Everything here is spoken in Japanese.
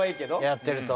やってると。